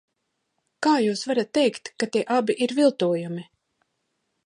Kā jūs varat teikt, ka tie abi ir viltojumi?